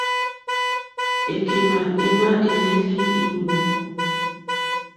Èkémà émá èlélí è mbǒ.